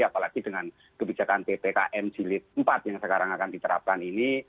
apalagi dengan kebijakan ppkm jilid empat yang sekarang akan diterapkan ini